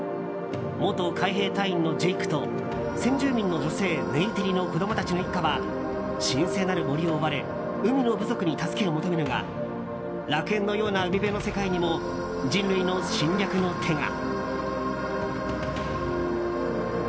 元海兵隊員のジェイクと先住民の女性ネイティリの子供たちの一家は神聖なる森を追われ海の部族に助けを求めるが楽園のような海辺の世界にも人類の侵略の手が。